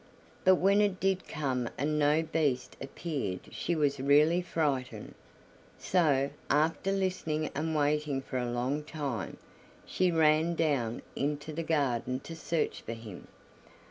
But when it did come and no Beast appeared she was really frightened; so, after listening and waiting for a long time, she ran down into the garden to search for him.